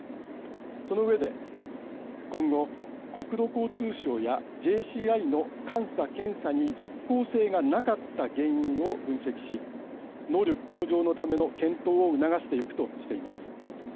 その上で今後、国土交通省やＪＣＩの監査・検査に実効性がなかった原因を分析し能力向上のための検討を促していくとしています。